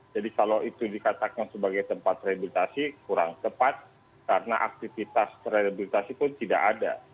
jadi kalau itu dikatakan sebagai tempat rehabilitasi kurang tepat karena aktivitas rehabilitasi pun tidak ada